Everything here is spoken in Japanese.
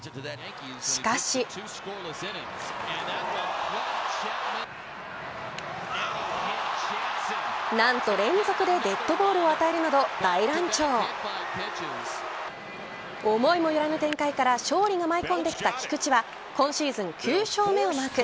しかし。何と連続でデッドボールを与えるなど大乱調思いもよらない展開から勝利が舞い込んできた菊池は今シーズン９勝目をマーク。